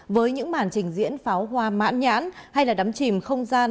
với những màn trình diễn pháo hoa mãn nhãn hay là đắm chìm không gian